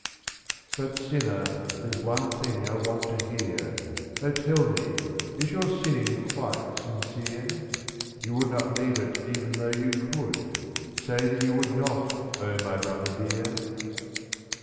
But, sinner, there's one thing I want to hear, O tell me, is your sinning quite sincere ? /74V You would not leave it even though you could, Say that you would not, O my brother dear.